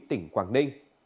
tỉnh quảng ninh